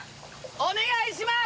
お願いします！